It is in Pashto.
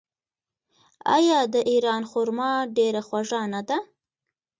آیا د ایران خرما ډیره خوږه نه ده؟